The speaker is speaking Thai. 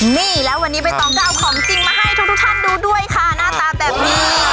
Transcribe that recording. นี่แล้ววันนี้ใบตองก็เอาของจริงมาให้ทุกท่านดูด้วยค่ะหน้าตาแบบนี้